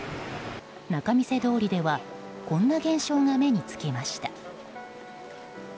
仲見世通りではこんな現象が目につきました。